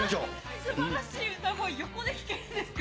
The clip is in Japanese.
すばらしい歌声、横で聞けるんですか。